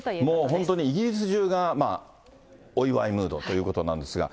もう、本当にイギリス中がお祝いムードということなんですが。